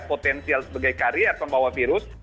potensial sebagai karier pembawa virus